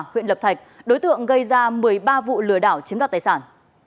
huyện lập thạch đối tượng gây ra một mươi ba vụ lừa đảo chiếm đoạt tài sản